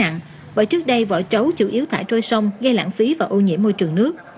nhưng cũng giảm bớt gánh nặng bởi trước đây vỏ trấu chủ yếu thả trôi sông gây lãng phí và ô nhiễm môi trường nước